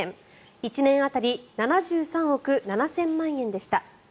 １年当たり７３億７０００万円でした。